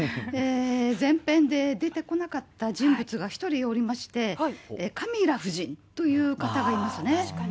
前編で出てこなかった人物が１人おりまして、カミラ夫人という方がいますね。